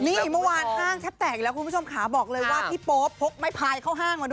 นี่เมื่อวานห้างแทบแตกอีกแล้วคุณผู้ชมขาบอกเลยว่าพี่โป๊ปพกไม้พายเข้าห้างมาด้วย